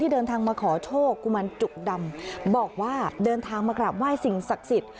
เดินทางมาขอโชคกุมารจุกดำบอกว่าเดินทางมากราบไหว้สิ่งศักดิ์สิทธิ์